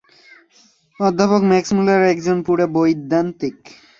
অধ্যপক Max Müller একজন পুরা বৈদান্তিক।